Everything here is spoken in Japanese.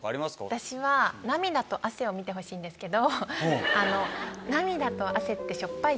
私は。を見てほしいんですけど。